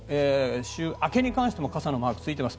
週明けに関しても傘のマークついています。